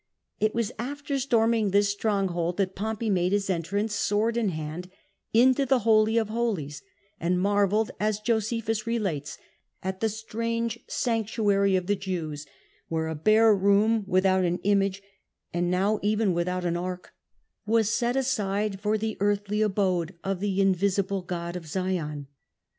It was after storming this stronghold that Pompey made his entrance, sword in hand, into the Holy of Holies, and marvelled (as Josephus relates) at the strange sanctuary of the Jews, where a bare room without an image, and now even with out an ark, was set aside for the earthly abode of the invisible God of Zion.